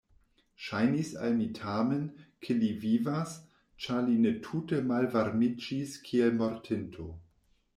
Ŝajnis al mi tamen, ke li vivas, ĉar li ne tute malvarmiĝis kiel mortinto.